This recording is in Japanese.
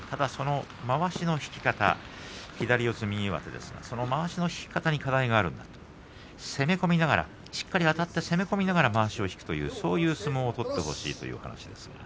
まわしの引き方左四つ右上手ですがそのまわしの引き方に課題があるんだ攻め込みながらしっかりあたって攻め込みながら、まわしを引くという、そういう相撲を取ってほしいという話です。